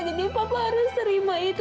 jadi papa harus terima itu